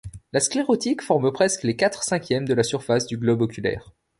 La sclérotique forme presque les quatre cinquièmes de la surface du globe oculaire.